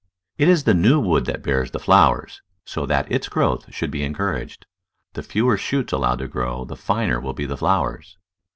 It is the new wood that bears the flowers, so that its growth should be encouraged. The fewer shoots allowed to grow the finer will be the flowers.